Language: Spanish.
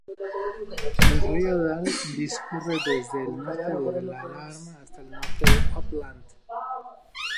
El río Dal discurre desde el norte de Dalarna hasta el norte de Uppland.